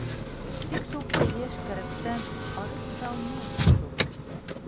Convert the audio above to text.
Тик шул «тейеш», «кәрәк»тән ары китә алмайбыҙ шул.